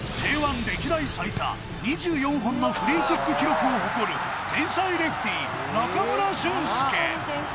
Ｊ１歴代最多２４本のフリーキック記録を誇る天才レフティー中村俊輔